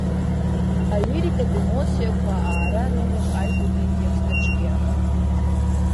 Алирикатә емоциақәа аара рымоуп аҩбатәи атекст аҿгьы.